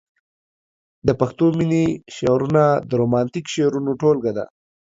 د پښتو مينې شعرونه د رومانتيک شعرونو ټولګه ده.